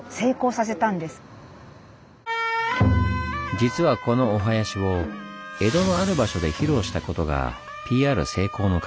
実はこのお囃子を江戸のある場所で披露したことがＰＲ成功の鍵。